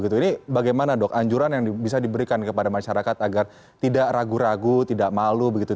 ini bagaimana dok anjuran yang bisa diberikan kepada masyarakat agar tidak ragu ragu tidak malu begitu